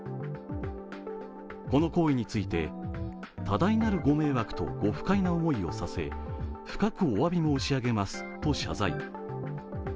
この行為について多大なるご迷惑と御不快な思いをさせ深くおわび申し上げますと謝罪。